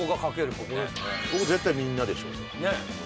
ここ絶対みんなでしょ。